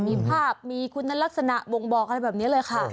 มีภาพมีคุณลักษณะบ่งบอกอะไรแบบนี้เลยค่ะ